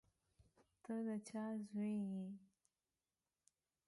ته د چا زوی یې؟